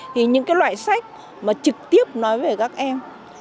thì những cái loại sách mà trực tiếp nói về các em